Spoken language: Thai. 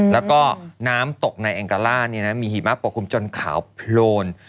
แล้วก็น้ำตกในแองการ่ามีหิมะปกคลุมจนขาวโพลน